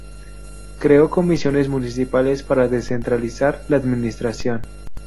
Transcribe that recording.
Creó comisiones municipales para descentralizar la administración.